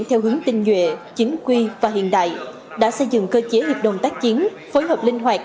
theo hướng tinh nhuệ chính quy và hiện đại đã xây dựng cơ chế hiệp đồng tác chiến phối hợp linh hoạt